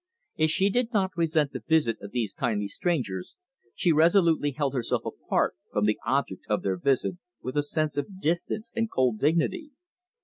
If she did not resent the visit of these kindly strangers, she resolutely held herself apart from the object of their visit with a sense of distance and cold dignity.